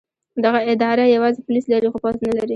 دغه اداره یوازې پولیس لري خو پوځ نه لري.